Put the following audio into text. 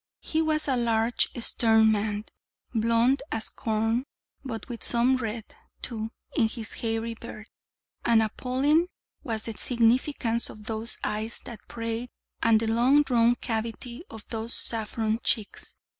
He was a large stern man, blond as corn, but with some red, too, in his hairy beard; and appalling was the significance of those eyes that prayed, and the long drawn cavity of those saffron cheeks.